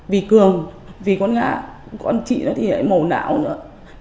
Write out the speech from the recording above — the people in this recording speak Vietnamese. vì cường vì con nga con chị nó thì lại mồ não nữa